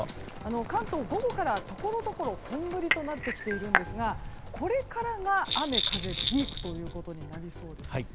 関東、午後からところどころ本降りとなってきているんですがこれからが雨風のピークということになりそうです。